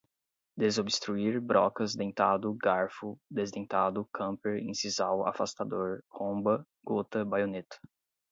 desobstruir, brocas, dentado, garfo, desdentado, camper, incisal, afastador, romba, gota, baioneta